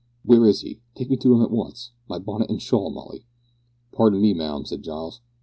'" "Where is he? Take me to him at once. My bonnet and shawl, Molly!" "Pardon me, ma'am," said Giles.